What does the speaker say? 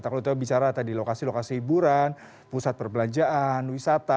tak lupa itu bicara tadi lokasi lokasi hiburan pusat perbelanjaan wisata